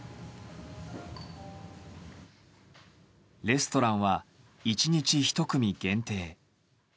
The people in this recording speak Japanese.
レストランは１日１組限定。